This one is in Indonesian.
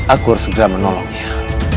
aku harus segera menolongnya